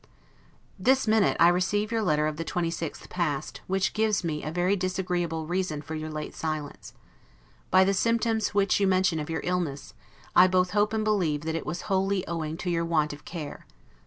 This minute, I receive your letter of the 26th past, which gives me a very disagreeable reason for your late silence. By the symptoms which you mention of your illness, I both hope and believe that it was wholly owing to your own want of care.